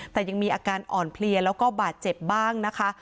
แต่ยังมีอาการอ่อนเพลียแล้วก็บาดเจ็บบ้างนะคะ